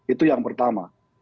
itu yang pertama